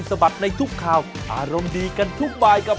สวัสดีครับ